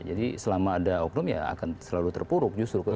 jadi selama ada oknum ya akan selalu terpuruk justru